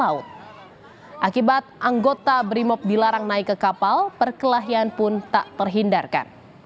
akibat anggota brimob dilarang naik ke kapal perkelahian pun tak terhindarkan